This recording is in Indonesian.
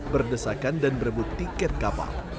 berdesakan dan berebut tiket kapal